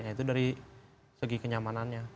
itu dari segi kenyamanannya